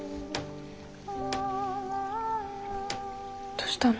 どしたの？